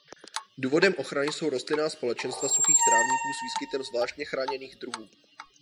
Důvodem ochrany jsou rostlinná společenstva suchých trávníků s výskytem zvláště chráněných druhů.